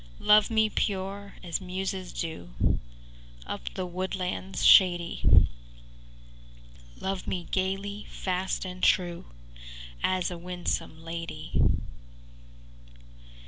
IX Love me pure, as muses do, Up the woodlands shady: Love me gaily, fast and true, As a winsome lady.